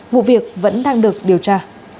vụ việc vẫn đang được điều tra